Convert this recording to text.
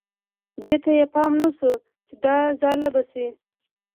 دې ته یې پام نه شو چې دا ځاله به شي.